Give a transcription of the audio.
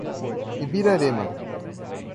Ibirarema